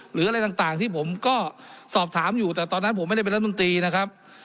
หรืออะไรต่างที่ผมก็สอบถามอยู่แต่ตอนนั้นผมไม่ได้เป็นรัฐมนตรีนะครับ